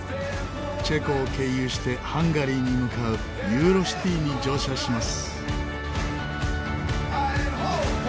チェコを経由してハンガリーに向かうユーロシティに乗車します。